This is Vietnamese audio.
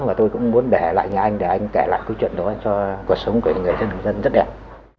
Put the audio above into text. mà tôi cũng muốn để lại nhà anh để anh kể lại câu chuyện đó cho cuộc sống của người dân người dân rất đẹp